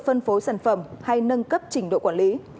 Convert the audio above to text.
phân phối sản phẩm hay nâng cấp trình độ quản lý